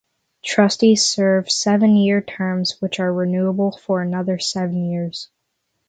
Trustees serve seven-year terms, which are renewable for another seven years.